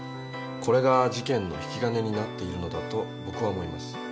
これが事件の引き金になっているのだと僕は思います。